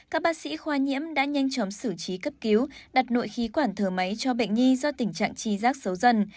các bác sĩ khoa nhiễm đã nhanh chóng xử trí cấp cứu đặt nội khí quản thở máy cho bệnh nhi do tình trạng chi giác xấu dần